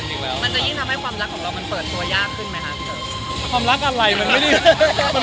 พี่โต๊ะฟิสุทธิ์เนี่ย